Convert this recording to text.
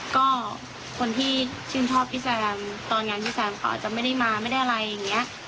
ก็คนที่ชื่นชอบพี่แซมตอนงานพี่แซมเขาอาจจะไม่ได้มาไม่ได้อะไรอย่างนี้